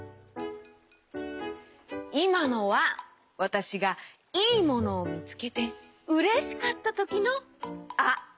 いまのはわたしがいいものみつけてうれしかったときの「あ」！